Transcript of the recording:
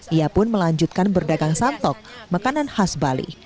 ia pun melanjutkan berdagang santok makanan khas bali